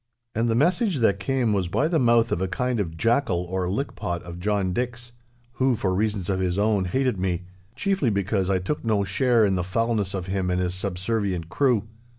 And the message that came was by the mouth of a kind of jackal or lickpot of John Dick's—who, for reasons of his own, hated me, chiefly because I took no share in the foulness of him and his subservient crew.